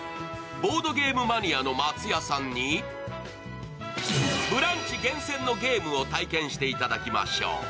ボードゲームマニアの松也さんにブランチ厳選のゲームを体験していただきましょう。